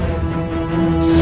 aku akan menang